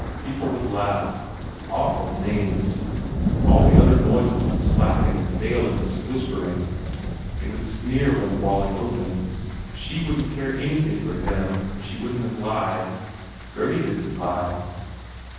People would laugh. Awful names ! All the other noises would slacken and fail in this whispering. They would sneer when the Walling opened. She couldn t care anything for him or she wouldn t have lied. Gurdy didn t lie.